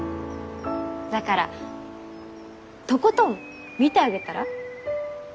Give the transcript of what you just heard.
だからとことん見てあげたら？